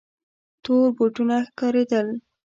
تور بوټونه ښکارېدل.